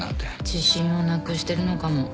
自信をなくしてるのかも。